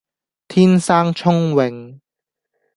天生聰穎